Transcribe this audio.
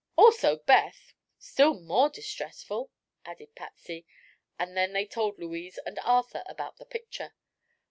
"Also Beth, still more distressful," added Patsy; and then they told Louise and Arthur about the picture.